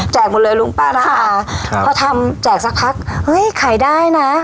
หมดเลยลุงป้านะคะพอทำแจกสักพักเฮ้ยขายได้นะ